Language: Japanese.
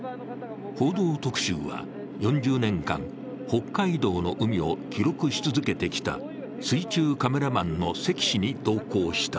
「報道特集」は４０年間北海道の海を記録し続けてきた水中カメラマンの関氏に同行した。